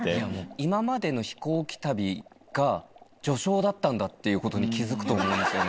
今までの飛行機旅が序章だったんだっていうことに気付くと思うんですよね。